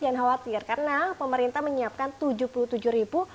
jangan khawatir karena pemerintah menyiapkan rp tujuh puluh tujuh